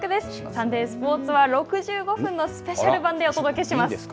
サンデースポーツは６５分のスペシャル版でお届けします。